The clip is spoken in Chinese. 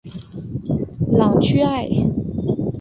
朗屈艾。